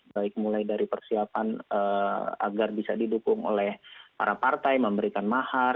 baik mulai dari persiapan agar bisa didukung oleh para partai memberikan mahar